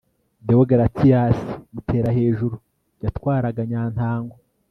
Deogratias Muterahejuru yatwaraga Nyantango